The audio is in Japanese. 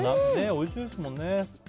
おいしいですもんね。